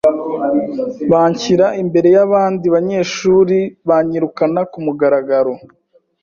banshyira imbere y’abandi banyeshuri banyirukana kumugaragaro,